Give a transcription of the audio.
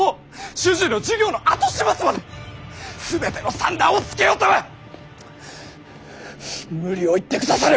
種々の事業の後始末まで全ての算段をつけよとは無理を言ってくださる。